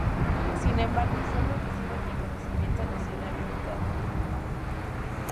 Sin embargo, solo recibió el reconocimiento nacional limitado.